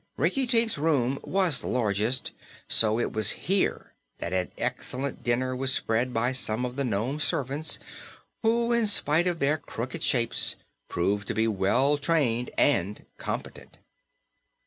Rinkitink's room was the largest, so it was here that an excellent dinner was spread by some of the nome servants, who, in spite of their crooked shapes, proved to be well trained and competent.